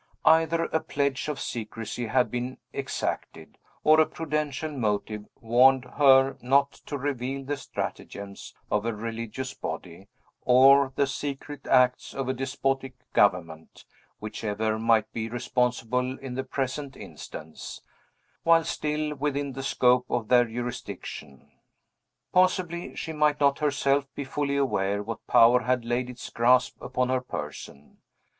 Either a pledge of secrecy had been exacted, or a prudential motive warned her not to reveal the stratagems of a religious body, or the secret acts of a despotic government whichever might be responsible in the present instance while still within the scope of their jurisdiction. Possibly, she might not herself be fully aware what power had laid its grasp upon her person.